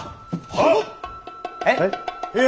はっ。